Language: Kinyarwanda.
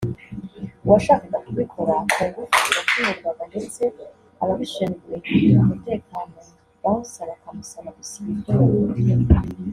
uwashakaga kubikora ku ngufu yakumirwaga ndetse abashinzwe umutekano [bouncers] bakamusaba gusiba ibyo yafotoye